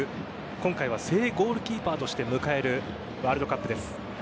今回は正ゴールキーパーとして迎える、ワールドカップです。